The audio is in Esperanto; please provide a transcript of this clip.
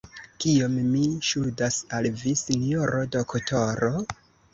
Kiom mi ŝuldas al vi, sinjoro doktoro?